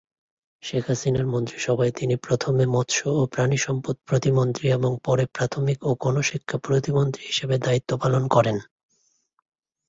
শেখ হাসিনার প্রথম মন্ত্রিসভায় তিনি প্রথমে মৎস্য ও প্রাণিসম্পদ প্রতিমন্ত্রী এবং পরে প্রাথমিক ও গণশিক্ষা প্রতিমন্ত্রী হিসেবে দায়িত্ব পালন করেন।